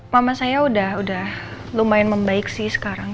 mama saya udah lumayan membaik sih sekarang